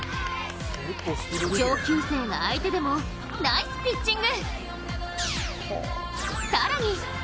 上級生が相手でもナイスピッチング。